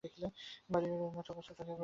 বাড়িঘরের উন্নত অবস্থা চোখে পড়ে।